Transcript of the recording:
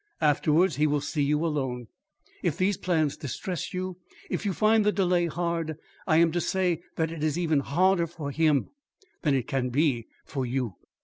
Afterwards he will see you alone. If these plans distress you, if you find the delay hard, I am to say that it is even harder for him than it can be for you.